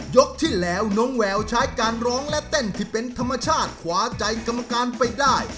ที่แล้วน้องแววใช้การร้องและเต้นที่เป็นธรรมชาติขวาใจกรรมการไปได้